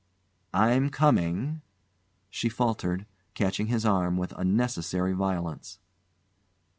"I'm coming," she faltered, catching his arm with unnecessary violence.